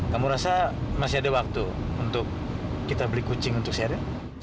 kamu rasa masih ada waktu untuk kita beli kucing untuk sharing